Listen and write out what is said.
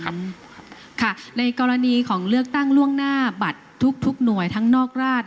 ครับค่ะในกรณีของเลือกตั้งล่วงหน้าบัตรทุกทุกหน่วยทั้งนอกราช